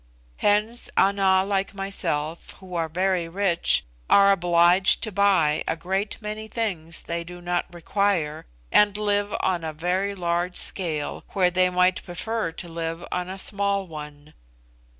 Hence Ana like myself, who are very rich, are obliged to buy a great many things they do not require, and live on a very large scale where they might prefer to live on a small one.